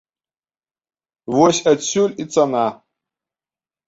Вось адсюль і цана.